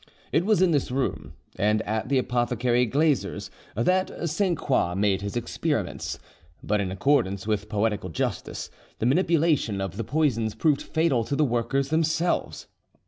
It was in this room and at the apothecary Glazer's that Sainte Croix made his experiments; but in accordance with poetical justice, the manipulation of the poisons proved fatal to the workers themselves.